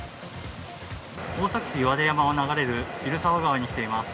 大崎市岩出山を流れる蛭沢川に来ています。